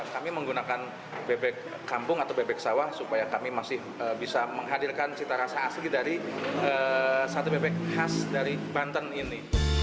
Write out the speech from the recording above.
kami menggunakan bebek kampung atau bebek sawah supaya kami masih bisa menghadirkan cita rasa asli dari satu bebek khas dari banten ini